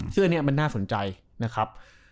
ซึ่งอันนี้มันน่าสนใจนะครับ